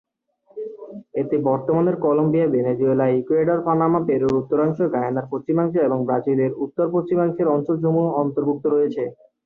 এতে বর্তমানের Colombia, Venezuela, Ecuador, Panama, পেরুর উত্তরাংশ, গায়ানার পশ্চিমাংশ এবং ব্রাজিলের উত্তর-পশ্চিমাংশের অঞ্চলসমূহ অন্তর্ভুক্ত রয়েছে।